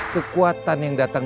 kekuatan yang datang